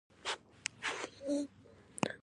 ازادي راډیو د بیکاري په اړه د ټولنې د ځواب ارزونه کړې.